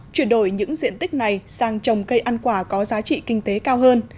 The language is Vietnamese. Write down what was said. chuyển đổi những diện tích này sang trồng cây ăn quả có giá trị kinh tế cao hơn